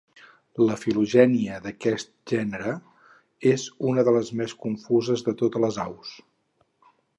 La filogènia d'aquest gènere és una de les més confuses de totes les aus.